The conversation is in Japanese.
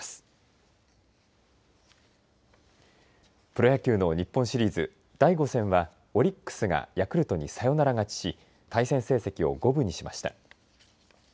プロ野球の日本シリーズ第５戦はオリックスがヤクルトにサヨナラ勝ちし対戦成績を５分にしました。